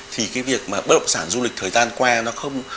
thì việc bất động sản du lịch thời gian